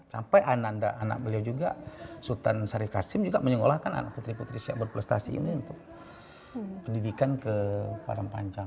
sampai ananda anak beliau juga sultan syarif hasim juga menyekolahkan anak putri putri siap berprestasi ini untuk pendidikan ke padang panjang